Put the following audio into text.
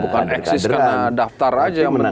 bukan eksis karena daftar aja yang penting